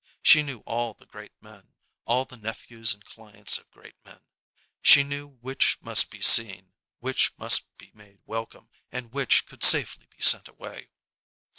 She knew all the great men, all the nephews and clients of great men. She knew which must be seen, which must be made welcome, and which could safely be sent away.